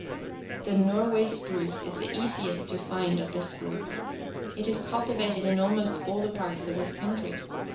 '\nr\ ' The Norway spruce is the easiest to 1|j|m find of this group. It is cultivated in ^^^C almost all the parks of this country.